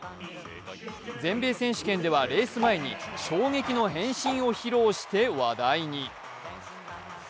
全米選手権ではレース前に衝撃の変身を披露して話題に。